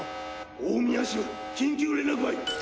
大宮支部緊急連絡ばい！